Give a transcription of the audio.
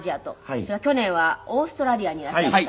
それから去年はオーストラリアにいらっしゃいました。